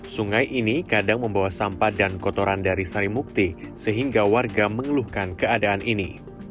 sungai ini kadang membawa sampah dan kotoran dari sarimukti sehingga warga mengeluhkan keadaan ini